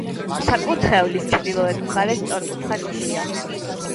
საკურთხევლის ჩრდილოეთ მხარეს სწორკუთხა ნიშია.